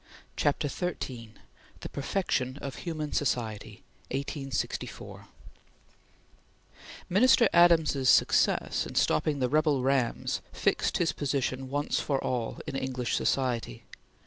CHAPTER XIII THE PERFECTION OF HUMAN SOCIETY (1864) MINISTER ADAMS'S success in stopping the rebel rams fixed his position once for all in English society.